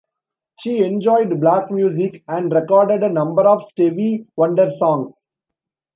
She enjoyed black music and recorded a number of Stevie Wonder songs.